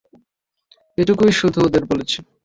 এটুকুই শুধু ওদের বলেছি!